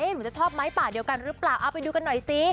หนูจะชอบไม้ป่าเดียวกันหรือเปล่าเอาไปดูกันหน่อยสิ